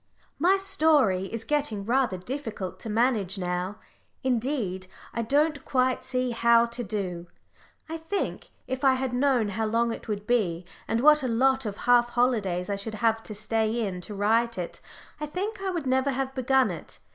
_ My story is getting rather difficult to manage now. Indeed, I don't quite see how to do. I think, if I had known how long it would be, and what a lot of half holidays I should have to stay in to write it, I think I would never have begun it.